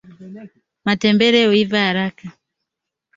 matembele huiva haraka